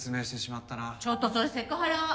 ちょっとそれセクハラ！